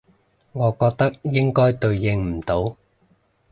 我覺得應該對應唔到